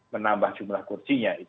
menambah jumlah kursinya